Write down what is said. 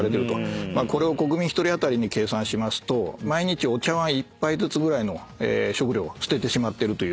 これを国民１人当たりに計算しますと毎日お茶わん１杯ずつぐらいの食料を捨ててしまっているという。